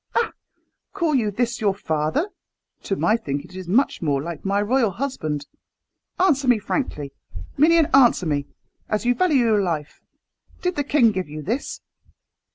"Ah! call you this your father? To my thinking it is much more like my royal husband. Answer me frankly, minion answer me, as you value your life! Did the king give you this?"